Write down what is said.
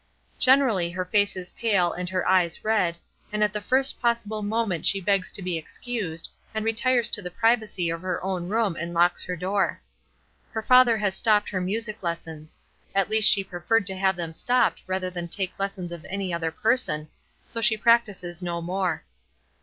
Generally her face is pale and her eyes red, and at the first possible moment she begs to be excused, and retires to the privacy of her own room and locks her door. Her father has stopped her music lessons; at least she preferred to have them stopped rather than take lessons of any other person, so she practices no more.